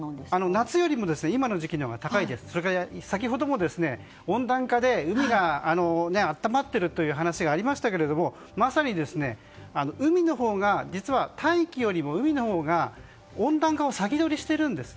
夏よりも今の時期のほうが高いですし、先ほども温暖化で海が温まっているという話がありましたがまさに、海のほうが実は、大気よりも温暖化を先取りしているんです。